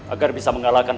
agar bisa mengalahkan